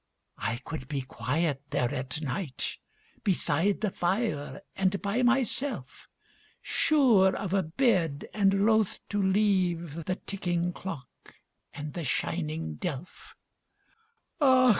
I could be quiet there at night Beside the fire and by myself, Sure of a bed and loth to leave The ticking clock and the shining delph! Och!